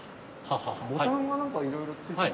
ボタンが何かいろいろついて。